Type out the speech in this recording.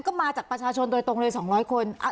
ก็มาจากประชาชนโดยตรงเลย๒๐๐คน